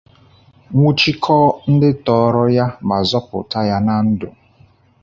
nwụchikọọ ndị tọọrọ ya ma zọpụta ya na ndụ.